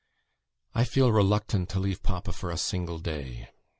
. I feel reluctant to leave papa for a single day.